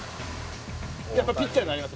やっぱピッチャーになります？